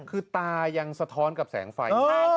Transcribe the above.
คือตายังสะท้อนกับแสงไฟ